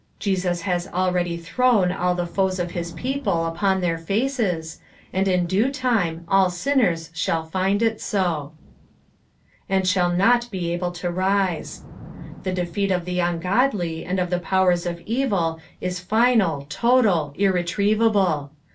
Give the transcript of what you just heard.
Jeans has already thrown all the foes of his people upon their faces, and in due time all sinners shall find it so. " And shall not be able to ri»e." The defeat of the ungodly and of the powers of evil is final, total, irretrievable.